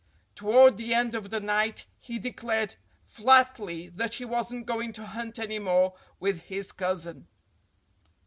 Toward the end of the night he declared flatly that he wasn't going to hunt any more with his cousin.